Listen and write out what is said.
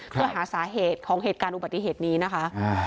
เพื่อหาสาเหตุของเหตุการณ์อุบัติเหตุนี้นะคะ